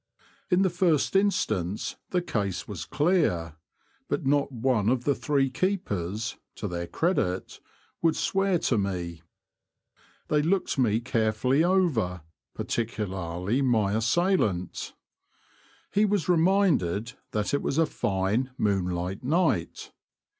In the first instance the case was clear, but not one of the three keepers (to their credit) would swear to me. They looked me carefully over, par ticularly my assailant. He was reminded that it was a fine, moonlight night.